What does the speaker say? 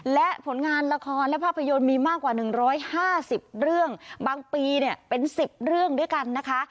และผลงานละครและภาพยนตร์มีมากกว่า๑๕๐เรื่องบางปีเนี่ยเป็น๑๐เรื่องด้วยกันนะคะ